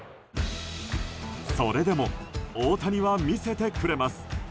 それでも大谷は見せてくれます。